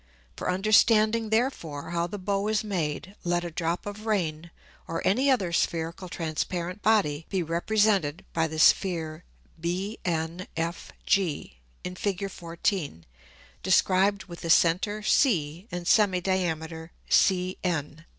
For understanding therefore how the Bow is made, let a Drop of Rain, or any other spherical transparent Body be represented by the Sphere BNFG, [in Fig. 14.] described with the Center C, and Semi diameter CN.